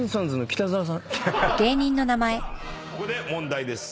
さあここで問題です。